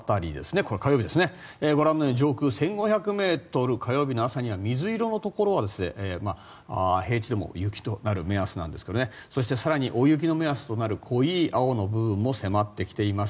これは火曜日、ご覧のように上空１５００ｍ火曜日の朝には水色のところは平地でも雪となる目安なんですがそして、更に大雪の目安となる濃い青の部分も迫ってきています。